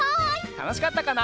たのしかったかな？